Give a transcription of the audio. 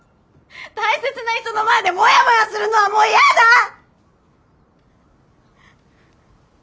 大切な人の前でモヤモヤするのはもうヤダ！